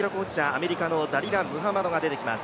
アメリカのダリラ・ムハマドが出てきます。